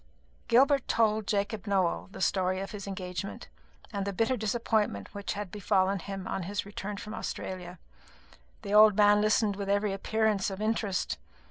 Gilbert told Jacob Nowell the story of his engagement, and the bitter disappointment which had befallen him on his return from Australia. The old man listened with every appearance of interest.